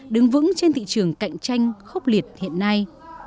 đứng vững trên thị trường cạnh tranh khốc liệt hiện nay